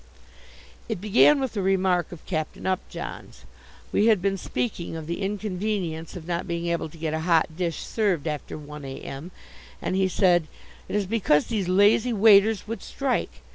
It began with a remark of Captain Upjohn's. We had been speaking of the inconvenience of not being able to get a hot dish served after 1 A.M., and he said: "It is because these lazy waiters would strike.